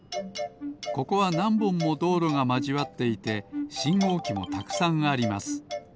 ここはなんぼんもどうろがまじわっていてしんごうきもたくさんあります。